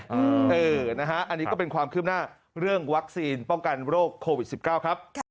อันนี้ก็เป็นความคืบหน้าเรื่องวัคซีนป้องกันโรคโควิด๑๙ครับ